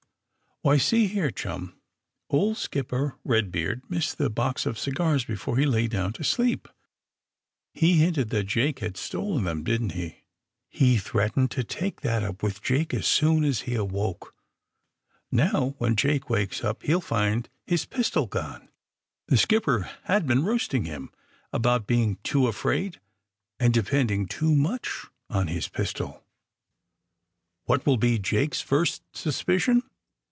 "Why, see here, chum. Old Skipper Ked beard missed the box of cigars before he lay down to sleep. He hinted that Jake had stolen them, didn't he! He threatened to take that up with Jake as soon as he awoke. Now, when Jake wakes up, he'll find his pistol gone. The skipper had been 'roasting^ him about being too afraid and depending too much on his pistol. AND THE SMUGGLERS 97 What will be Jake's first suspicion?